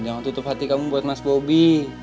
jangan tutup hati kamu buat mas bobi